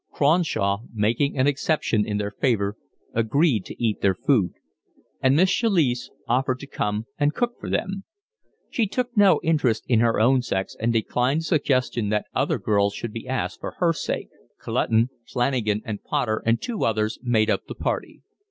Cronshaw, making an exception in their favour, agreed to eat their food; and Miss Chalice offered to come and cook for them. She took no interest in her own sex and declined the suggestion that other girls should be asked for her sake. Clutton, Flanagan, Potter, and two others made up the party.